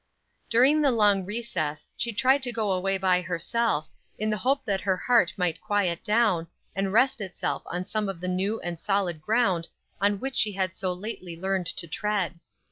During the long recess she tried to go away by herself, in the hope that her heart might quiet down, and rest itself on some of the new and solid ground on which she had so lately learned to tread.